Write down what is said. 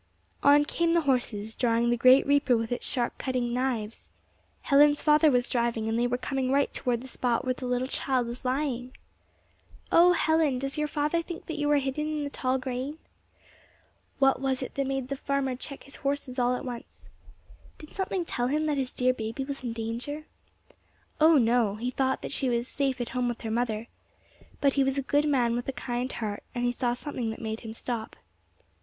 On came the horses, drawing the great reaper with its sharp cutting knives. Helen's father was driving, and they were coming right toward the spot where the little child was lying! Oh, Helen, little does your father think that you are hidden there in the tall grain! What was it that made the farmer check his horses all at once? Did something tell him that his dear baby was in danger? Oh, no! he thought that she was safe at home with her mother. But he was a good man with a kind heart, and he saw something that made him stop.